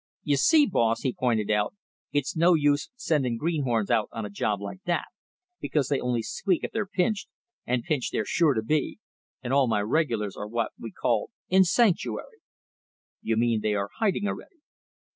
"You see, boss," he pointed out, "it's no use sending greenhorns out on a job like that, because they only squeak if they're pinched, and pinched they're sure to be; and all my regulars are what we call in sanctuary." "You mean they are hiding already?"